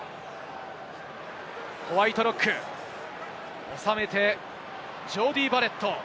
ホワイトロック、収めて、ジョーディー・バレット。